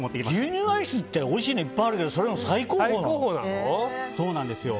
牛乳アイスっておいしいのいっぱいあるけどそうなんですよ。